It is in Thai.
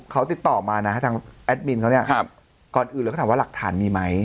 เขาติดต่อมานะทางแอดมินเขาเนี่ยก่อนอื่นเราก็ถามว่าหลักฐานมีไหม